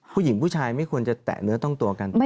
ผู้ชายไม่ควรจะแตะเนื้อต้องตัวกัน